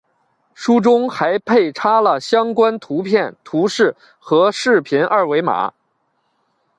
书中还配插了相关图片、图示和视频二维码